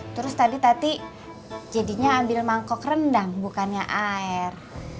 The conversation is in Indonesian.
terus tadi tadi jadinya ambil mangkok rendang bukannya air